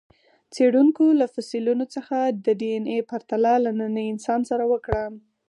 څېړونکو له فسیلونو څخه د ډياېناې پرتله له ننني انسان سره وکړه.